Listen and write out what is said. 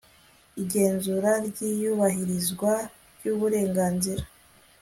igenzura ry iyubahirizwa ry uburenganzira